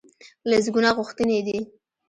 لسګونه غوښتنې دي.